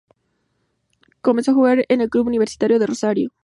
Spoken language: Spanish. Comenzó a jugar en el club Universitario de Rosario.